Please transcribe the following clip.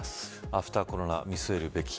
アフターコロナ見据えるべき。